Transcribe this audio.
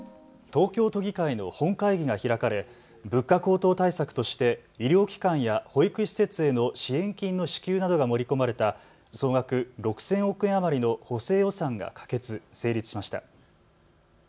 東京都議会の本会議が開かれ物価高騰対策として医療機関や保育施設への支援金の支給などが盛り込まれた総額６０００億円余りの補正予算が可決・成立しました。